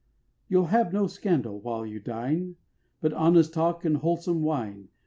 You'll have no scandal while you dine, But honest talk and wholesome wine.